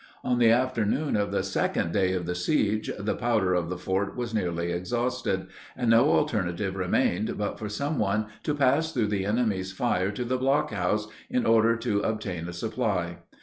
On the afternoon of the second day of the siege, the powder of the fort was nearly exhausted, and no alternative remained, but for some one to pass through the enemy's fire to the blockhouse, in order to obtain a supply.